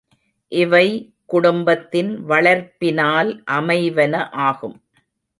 இவை குடும்பத்தின் வளர்ப்பினால் அமைவன ஆகும்.